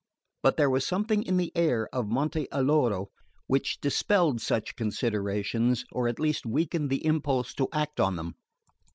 But there was something in the air of Monte Alloro which dispelled such considerations, or at least weakened the impulse to act on them.